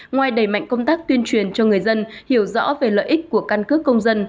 ngoài đẩy mạnh công tác tuyên truyền cho người dân hiểu rõ về lợi ích của căn cước công dân